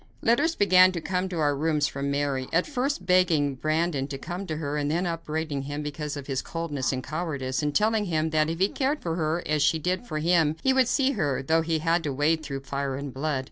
Letters began to come to our rooms from Mary, at first begging Brandon to come to her, and then upbraiding him because of his coldness and cowardice, and telling him that if he cared for her as she did for him, he would see her, though he had to wade through fire and blood.